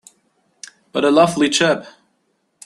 But a lovely chap!